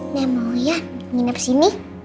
nenek mau ya nginep di sini